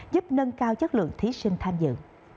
giúp nâng cao chất lượng thí sinh tham dự